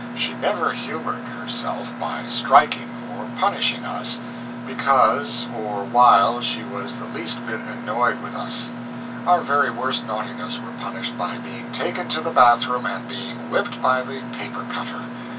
She never humored herself by striking or punishing us because or while she was the least bit enoyed with us. Our very worst nautinesses were punished by being taken to the bath room and being whipped by the paper cutter.